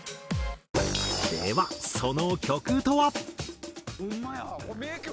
ではその曲とは？